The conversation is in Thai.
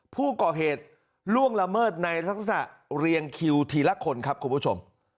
ผู้ก่อเหตุล่วงละเมิดในลักษณะเรียงคิวทีละคนครับคุณผู้ชม